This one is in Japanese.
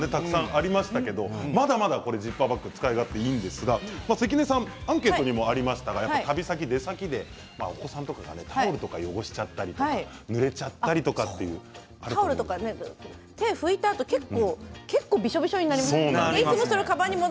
かゆいところに手が届く技がたくさんありましたけれどもまだまだジッパーバッグ使い勝手がいいんですが関根さんのアンケートにもありましたが、出先でお子さんとかがタオルとか汚してしまったりタオルとか体を拭いたあと結構びしょびしょになりませんか。